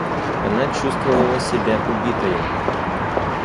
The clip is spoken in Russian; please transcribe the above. Она чувствовала себя убитою.